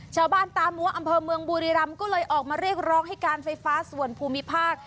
ชาวบ้านตามัวอำเภอเมืองบุรีรำก็เลยออกมาเรียกร้องให้การไฟฟ้าส่วนภูมิภาค